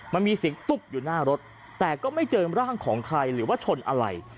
มันมีเสียงตุ๊บอยู่หน้ารถแต่ก็ไม่เจอร่างของใครหรือว่าชนอะไร